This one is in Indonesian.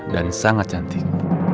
dan sangat cantik